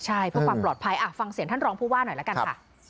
ใช่เพื่อความปลอดภัยฟังเสียงท่านรองผู้ว่าหน่อยละกันค่ะ